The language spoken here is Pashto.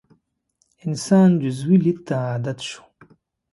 انسان جزوي لید ته عادت شو.